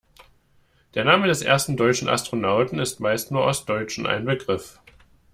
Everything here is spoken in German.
Der Name des ersten deutschen Astronauten ist meist nur Ostdeutschen ein Begriff.